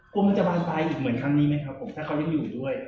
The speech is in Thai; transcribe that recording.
กลัวมันจะบานปลายอีกเหมือนครั้งนี้ไหมครับผมถ้าเขายังอยู่ด้วย